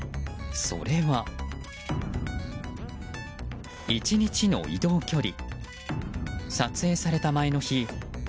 それは１日の移動距離。